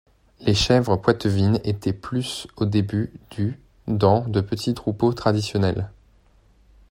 Les chèvres poitevines étaient plus de au début du dans de petits troupeaux traditionnels.